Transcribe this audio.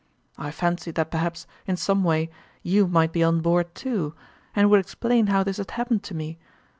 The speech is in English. I fancied that perhaps, in some way, you might be on board too, and would explain how this had happened to me.